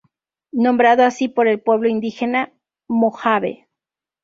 Nombrado así por el pueblo indígena mojave.